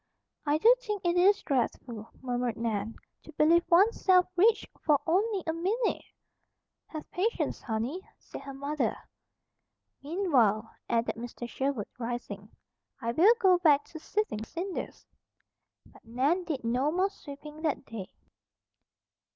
"I do think it is dreadful," murmured Nan, "to believe one's self rich for only a minute!" "Have patience, honey," said her mother. "Meanwhile," added Mr. Sherwood, rising, "I will go back to sifting cinders." But Nan did no more sweeping that day.